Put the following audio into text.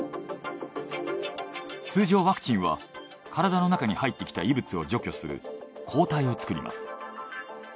通常ワクチンは体の中に入ってきた異物を除去する抗体を作ります。